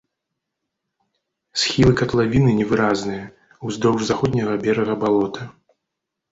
Схілы катлавіны невыразныя, уздоўж заходняга берага балота.